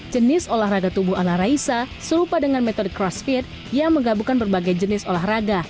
jenis olahraga tubuh ala raisa serupa dengan metode crossfit yang menggabungkan berbagai jenis olahraga